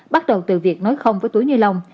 bắt đầu từ việc nói không với túi ni lông